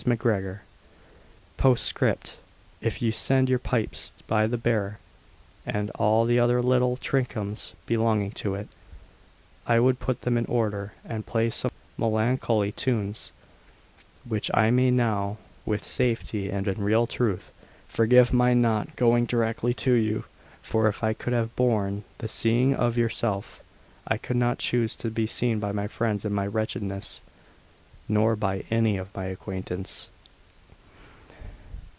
MacGregor. "P. S. If you'd send your pipes by the bearer, and all the other little trinkims belonging to it, I would put them in order, and play some melancholy tunes, which I may now with safety, and in real truth. Forgive my not going directly to you, for if I could have borne the seeing of yourself, I could not choose to be seen by my friends in my wretchedness, nor by any of my acquaintance."